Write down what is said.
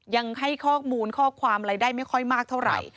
ยังให้ข้อมูลข้อความอะไรได้ไม่ค่อยมากเท่าไหร่